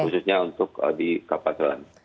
khususnya untuk di kapal selam